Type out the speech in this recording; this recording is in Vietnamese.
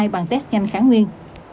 bằng test nhanh kháng nguyên